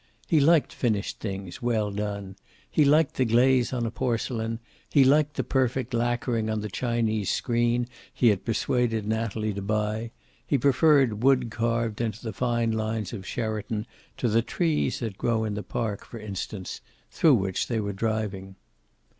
He liked finished things, well done. He liked the glaze on a porcelain; he liked the perfect lacquering on the Chinese screen he had persuaded Natalie to buy; he preferred wood carved into the fine lines of Sheraton to the trees that grow in the Park, for instance, through which they were driving.